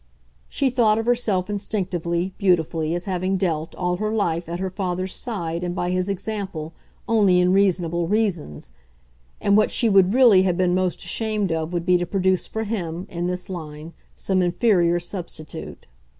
She thought of herself, instinctively, beautifully, as having dealt, all her life, at her father's side and by his example, only in reasonable reasons; and what she would really have been most ashamed of would be to produce for HIM, in this line, some inferior substitute.